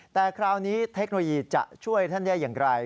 แต่คราวนี้เทคโนโลยีจะช่วยท่านได้อย่างไร